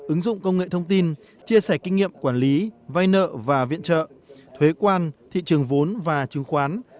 ứng dụng công nghệ thông tin chia sẻ kinh nghiệm quản lý vay nợ và viện trợ thuế quan thị trường vốn và chứng khoán